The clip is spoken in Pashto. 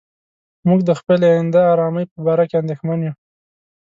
موږ د خپلې آینده آرامۍ په باره کې اندېښمن یو.